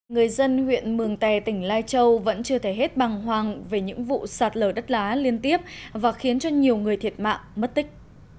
người dân huyện mường tè tỉnh lai châu vẫn chưa thể hết bằng hoàng về những vụ sạt lở đất đá liên tiếp và khiến cho nhiều người thiệt mạng mất tích